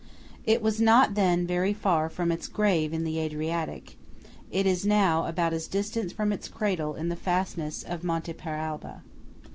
It was then not very far from its grave in the Adriatic; it is now about as distant from its cradle in the fastnesses of Monte Paralba.